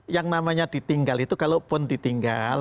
yang namanya ditinggal itu kalaupun ditinggal